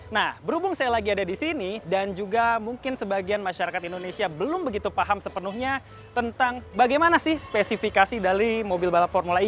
nah berhubung saya lagi ada di sini dan juga mungkin sebagian masyarakat indonesia belum begitu paham sepenuhnya tentang bagaimana sih spesifikasi dari mobil balap formula e